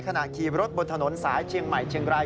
ขี่รถบนถนนสายเชียงใหม่เชียงราย